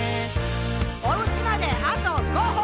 「おうちまであと５歩！」